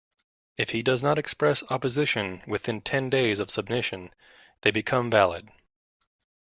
If he does not express opposition within ten days of submission, they become valid.